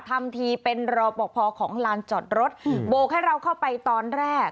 ทำทีเป็นรอปกพอของลานจอดรถโบกให้เราเข้าไปตอนแรก